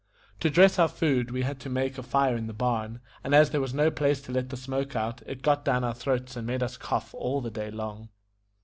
To dress our food we had to make a fire in the barn, and as there was no place to let out the smoke, it got down our throats and made us cough all the day long.